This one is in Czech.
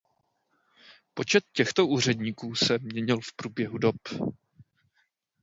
Počet těchto úředníků se měnil v průběhu dob.